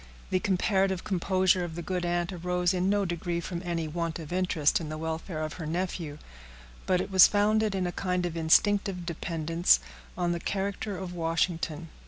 The comparative composure of the good aunt arose in no degree from any want of interest in the welfare of her nephew, but it was founded in a kind of instinctive dependence on the character of Washington.